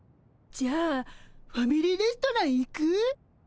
じゃあファミリーレストラン行く？